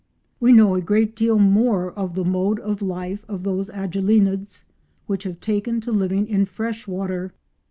We know a great deal more of the mode of life of those Agelenids which have taken to living in fresh water.